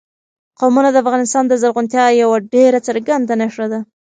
قومونه د افغانستان د زرغونتیا یوه ډېره څرګنده نښه ده.